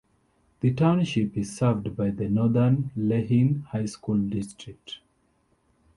The Township is served by the Northern Lehigh School District.